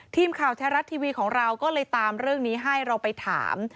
ทีมข่าวแท้รัฐทีวีของเราก็เลยตามเรื่องนี้ให้เราไปถาม